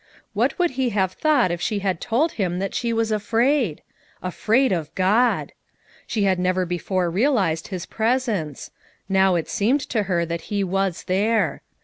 What would he have thought if she had told him that she was afraid? Afraid of God I She had never before realized his presence; now it seemed to her that he was there.